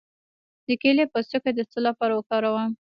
د کیلې پوستکی د څه لپاره وکاروم؟